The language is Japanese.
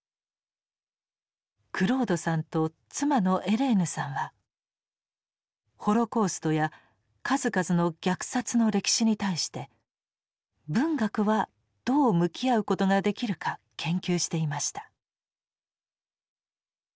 クロードさんと妻のエレーヌさんはホロコーストや数々の虐殺の歴史に対して文学はどう向き合うことができるか研究していました。